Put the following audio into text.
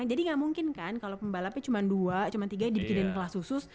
jadi gak mungkin kan kalau pembalapnya cuma dua cuma tiga dibikinin kelas khusus